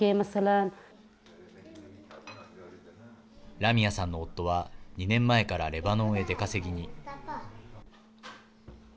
ラミアさんの夫は２年前からレバノンへ出稼ぎに。